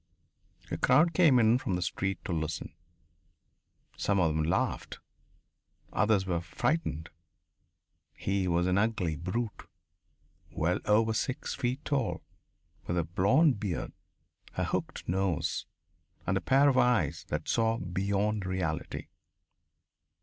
A crowd came in from the street to listen. Some of them laughed. Others were frightened. He was an ugly brute well over six feet tall, with a blonde beard, a hooked nose, and a pair of eyes that saw beyond reality.